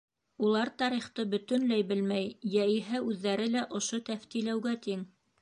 Улар тарихты бөтөнләй белмәй йә иһә үҙҙәре лә ошо Тәфтиләүгә тиң.